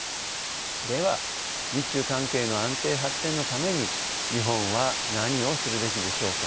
では日中関係の安定発展のために日本は何をするべきでしょうか。